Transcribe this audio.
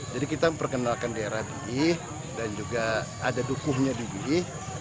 jadi kita memperkenalkan daerah biih dan juga ada dukuhnya di biih